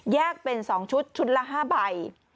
เป็น๒ชุดชุดละ๕ใบ